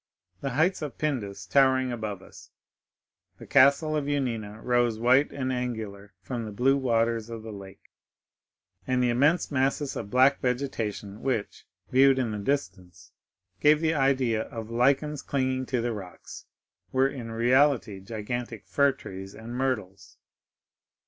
The heights of Pindus towered above us; the castle of Yanina rose white and angular from the blue waters of the lake, and the immense masses of black vegetation which, viewed in the distance, gave the idea of lichens clinging to the rocks, were in reality gigantic fir trees and myrtles.